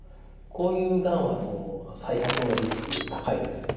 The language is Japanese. こういうがんは再発のリスク高いです。